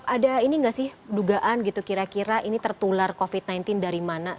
ada ini nggak sih dugaan gitu kira kira ini tertular covid sembilan belas dari mana